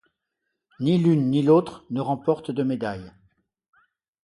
Ni l'une ni l'autre ne remporte de médaille.